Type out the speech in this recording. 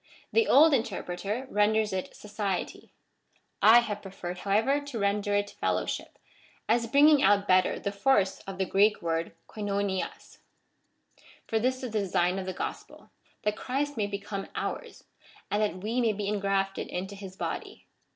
The old interpreter renders it society. I have preferred, however, to render it fel lowship, as bringing out better the force of the Greek word KOLvwvia'^} For this is the design of the gospel, that Christ may become ours, and that we may be ingrafted into his body.